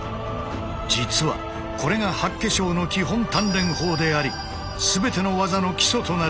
実はこれが八卦掌の基本鍛錬法であり全ての技の基礎となる